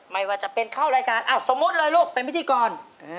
ไม่ว่าจะเป็นเข้ารายการอ้าวสมมุติเลยลูกเป็นพิธีกร